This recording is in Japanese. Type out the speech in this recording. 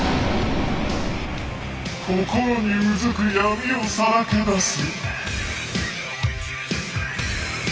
心にうずく闇をさらけ出せ。